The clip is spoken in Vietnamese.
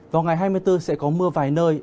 vào ngày hai mươi bốn sẽ có mưa vài nơi